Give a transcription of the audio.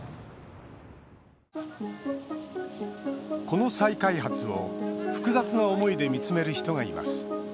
この再開発を複雑な思いで見つめる人がいます。